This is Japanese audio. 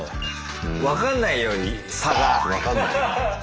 分かんないように差が。